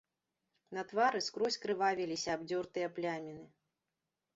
На твары скрозь крывавіліся абдзёртыя пляміны.